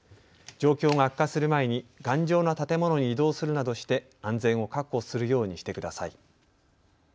状況が悪化する前に頑丈な建物に移動するなどして安全を確保するようにしてください。